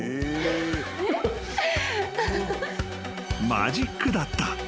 ［マジックだった］